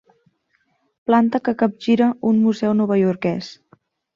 Planta que capgira un museu novaiorquès.